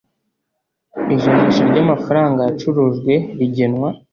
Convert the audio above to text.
ijanisha ry amafaranga yacurujwe rigenwa